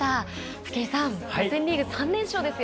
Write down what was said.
武井さん予選リーグ、３連勝ですよ！